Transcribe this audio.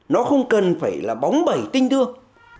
nó không cần phải là bóng bẩy tinh thương